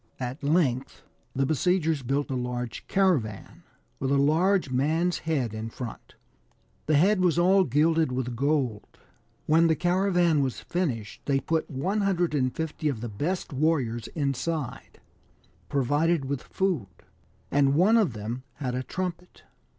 At length the besiegers built a large caravan, with a large man's head in front ; the head was all gilded with gold. When the caravan was finished they put 150 of the best warriors inside, provided with food, and one of them had a trumpet.